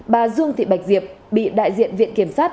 bà dương thị bạch diệp bị đại diện viện kiểm sát